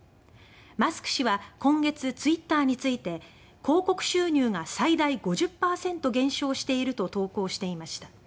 マスク氏は今月ツイッターについて「広告収入が最大５０％減少している」と投稿していました。